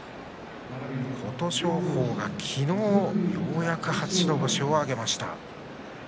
琴勝峰が昨日、ようやく初白星を挙げました。